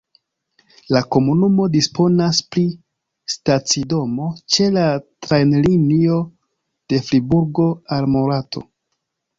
La komunumo disponas pri stacidomo ĉe la trajnlinio de Friburgo al Morato.